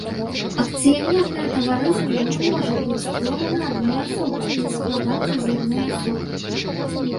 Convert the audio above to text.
Акцыянернае таварыства не можа быць створана адной асобай ці складацца з адной асобы.